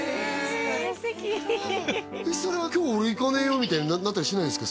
素敵それは今日俺行かねえよみたいになったりしないんすか？